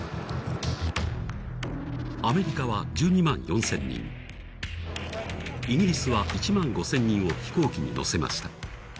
アメリカは１２万４０００人、イギリスは１万５０００人を飛行機に乗せました。